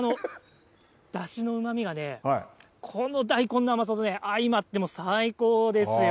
だしのうまみがこの大根の甘さと相まって最高ですよ。